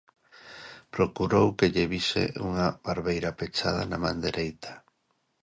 Procurou que lle vise unha barbeira pechada na man dereita.